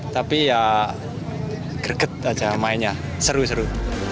tapi ya greget aja mainnya seru seru